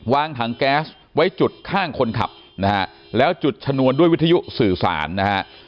วางถังแก๊สไว้จุดข้างคนขับนะฮะแล้วจุดชนวนด้วยวิทยุสื่อสารนะฮะ